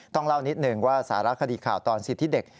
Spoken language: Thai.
ต้องเล่านิดนึงว่าสาระคดีข่าวตอนสิทธิเด็ก